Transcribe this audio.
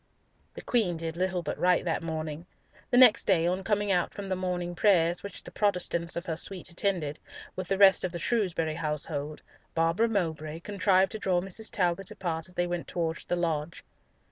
The Queen did little but write that morning. The next day, on coming out from morning prayers, which the Protestants of her suite attended, with the rest of the Shrewsbury household, Barbara Mowbray contrived to draw Mrs. Talbot apart as they went towards the lodge.